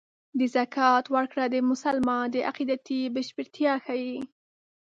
د زکات ورکړه د مسلمان د عقیدې بشپړتیا ښيي.